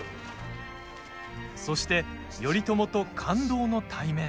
そして、頼朝と感動の対面。